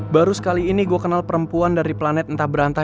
baru sekali ini gue kenal perempuan dari planet entah berantah